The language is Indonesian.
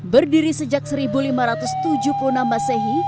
berdiri sejak seribu lima ratus tujuh puluh enam masehi